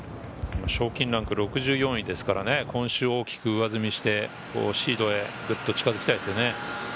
賞金ランク６４位ですから、今週大きく上積みして、シードへグッと近づきたいですね。